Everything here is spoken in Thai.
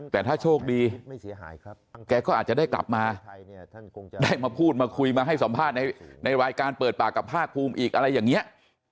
แต่ถ้าโชคดีไม่เสียหายครับแกก็อาจจะได้กลับมาได้มาพูดมาคุยมาให้สัมภาษณ์ในรายการเปิดปากกับภาคภูมิอีกอะไรอย่างนี้